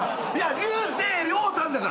竜星涼さんだから。